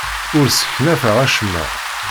Ur sseknafeɣ acemma.